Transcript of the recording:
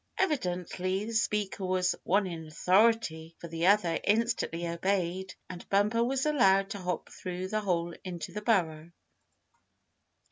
Evidently the speaker was one in authority, for the other instantly obeyed, and Bumper was allowed to hop through the hole into the burrow.